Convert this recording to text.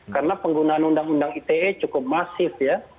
karena penggunaan undang undang ite cukup masif ya